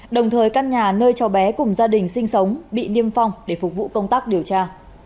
đồng thời căn nhà nơi cháu bé cùng gia đình sinh sống bị niêm phong để phục vụ công tác điều tra